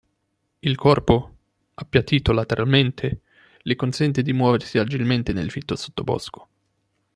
Il corpo, appiattito lateralmente, le consente di muoversi agilmente nel fitto sottobosco.